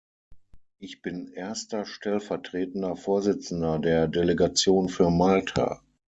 Ich bin erster stellvertretender Vorsitzender der Delegation für Malta.